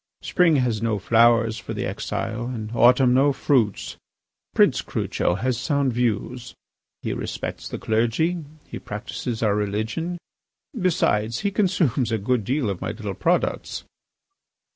Spring has no flowers for the exile, and autumn no fruits. Prince Crucho has sound views; he respects the clergy; he practises our religion; besides, he consumes a good deal of my little products."